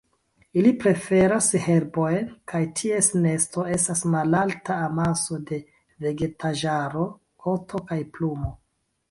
Ili preferas herbojn, kaj ties nesto estas malalta amaso de vegetaĵaro, koto kaj plumoj.